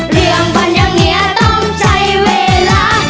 เรื่องพันธุ์อย่างเนี่ยต้องใช้เวลา